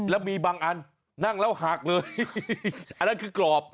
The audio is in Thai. แล้วมีบางอันนั่งแล้วหักเลยอันนั้นคือกรอบ